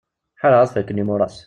Ḥareɣ ad fakken yimuras.